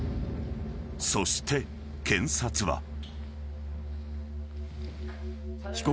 ［そして検察は］